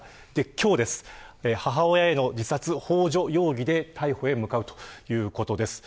今日、母親への自殺ほう助容疑で逮捕へ向かうということです。